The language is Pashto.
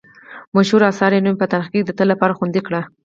مشهورو اثارو یې نوم په تاریخ کې د تل لپاره خوندي کړی.